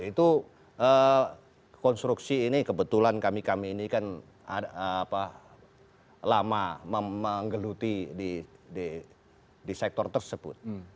itu konstruksi ini kebetulan kami kami ini kan lama menggeluti di sektor tersebut